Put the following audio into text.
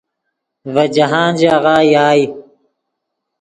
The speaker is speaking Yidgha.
ڤے جاہند ژاغہ یائے